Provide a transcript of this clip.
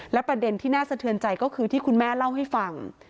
และประเด็นที่น่าสะเทือนใจก็คือที่คุณแม่เล่าให้ฟัง